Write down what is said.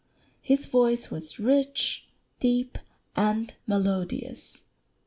His voice was rich, deep, and melodious."